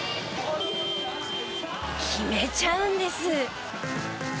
決めちゃうんです！